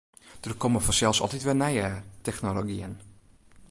Der komme fansels altyd wer nije technologyen.